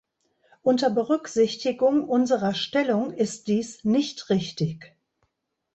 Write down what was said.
Unter Berücksichtigung unserer Stellung ist dies nicht richtig.